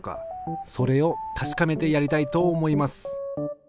それをたしかめてやりたいと思います。